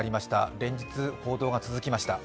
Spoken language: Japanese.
連日報道が続きました。